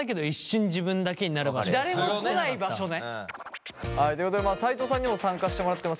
誰も来ない場所ね。ということで斎藤さんにも参加してもらってます。